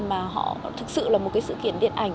mà họ thực sự là một cái sự kiện điện ảnh